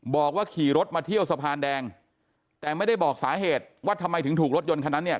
บอกว่าขี่รถมาเที่ยวสะพานแดงแต่ไม่ได้บอกสาเหตุว่าทำไมถึงถูกรถยนต์คันนั้นเนี่ย